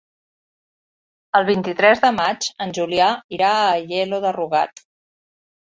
El vint-i-tres de maig en Julià irà a Aielo de Rugat.